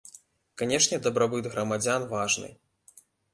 Канешне, дабрабыт грамадзян важны.